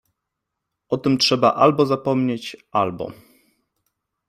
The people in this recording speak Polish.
O tym trzeba albo zapomnieć, albo.